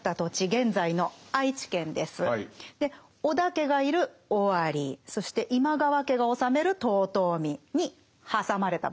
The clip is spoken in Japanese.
織田家がいる尾張そして今川家が治める遠江に挟まれた場所ですね。